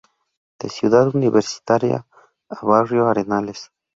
De Ciudad Universitaria a barrio Arenales.